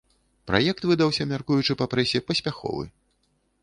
Праект выдаўся, мяркуючы па прэсе, паспяховы.